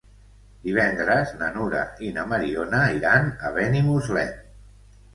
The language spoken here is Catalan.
Divendres na Nura i na Mariona iran a Benimuslem.